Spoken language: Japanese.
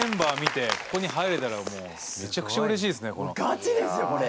ガチですよこれ！